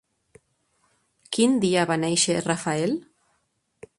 Quin dia va nàixer Rafael?